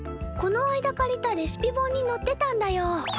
この間借りたレシピ本にのってたんだよ。